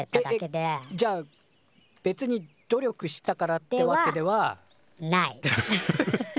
えっえっじゃあべつに努力したからってわけでは。ではない。